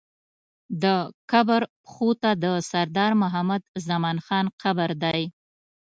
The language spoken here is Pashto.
د قبر پښو ته د سردار محمد زمان خان قبر دی.